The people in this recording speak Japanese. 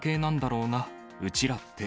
うちらって。